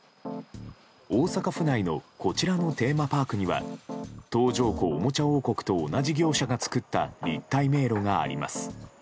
大阪府内のこちらのテーマパークには東条湖おもちゃ王国と同じ業者が作った立体迷路があります。